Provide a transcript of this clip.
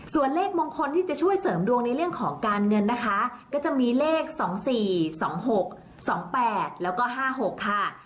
ส่วนเลขมงคลที่จะช่วยเสริมดวงในเรื่องของการเงินนะคะก็จะมีเลข๒๔๒๖๒๘แล้วก็๕๖ค่ะ